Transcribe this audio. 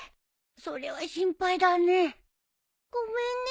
それは心配だね。